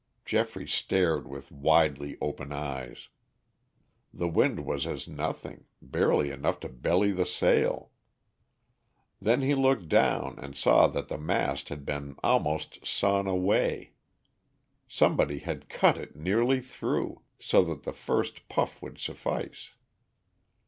Geoffrey stared with widely open eyes. The wind was as nothing, barely enough to belly the sail. Then he looked down and saw that the mast had been almost sawn away. Somebody had cut it nearly through, so that the first puff would suffice.